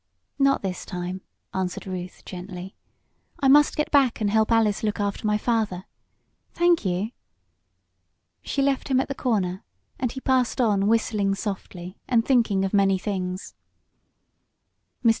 "Not this time," answered Ruth gently. "I must get back and help Alice look after my father. Thank you." She left him at the corner, and he passed on whistling softly and thinking of many things. Mr.